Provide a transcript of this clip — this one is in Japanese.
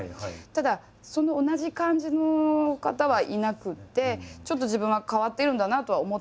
ただその同じ漢字の方はいなくてちょっと自分は変わってるんだなとは思ってたんですね。